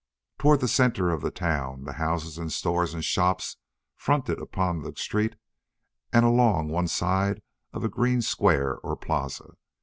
Toward the center of the town the houses and stores and shops fronted upon the street and along one side of a green square, or plaza.